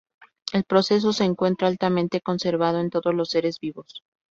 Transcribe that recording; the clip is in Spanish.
El proceso se encuentra altamente conservado en todos los seres vivos.